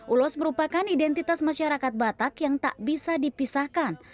ulos merupakan identitas masyarakat batak yang tak bisa dipisahkan